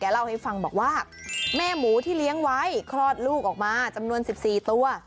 เล่าให้ฟังบอกว่าแม่หมูที่เลี้ยงไว้คลอดลูกออกมาจำนวน๑๔ตัว